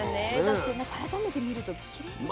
改めて見るときれいですよね。